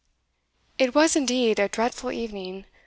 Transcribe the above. It was indeed a dreadful evening.